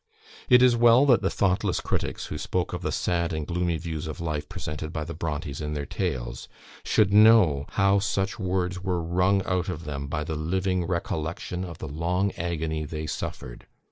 It is well that the thoughtless critics, who spoke of the sad and gloomy views of life presented by the Brontës in their tales, should know how such words were wrung out of them by the living recollection of the long agony they suffered.